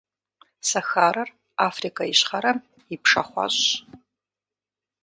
Сахарэр - Африкэ Ищхъэрэм и пшахъуэщӏщ.